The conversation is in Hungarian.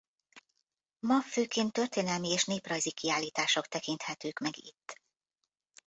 Ma főként történelmi és néprajzi kiállítások tekinthetők meg itt.